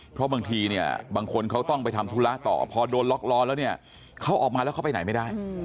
เพราะบางทีเนี่ยบางคนเขาต้องไปทำธุระต่อพอโดนล็อกล้อแล้วเนี่ยเขาออกมาแล้วเขาไปไหนไม่ได้